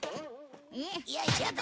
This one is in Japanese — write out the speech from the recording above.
よいしょっと。